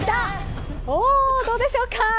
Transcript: どうでしょうか。